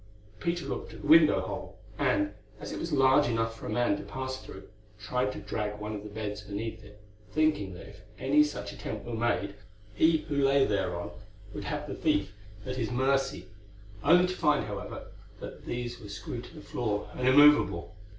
Peter looked at the window hole, and, as it was large enough for a man to pass through, tried to drag one of the beds beneath it, thinking that if any such attempt were made, he who lay thereon would have the thief at his mercy, only to find, however, that these were screwed to the floor and immovable.